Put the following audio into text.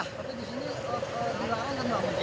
tapi disini dilarang kan nangka